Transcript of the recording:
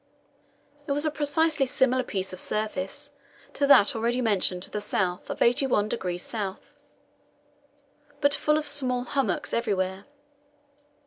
It was a precisely similar piece of surface to that already mentioned to the south of 81° S., but full of small hummocks everywhere.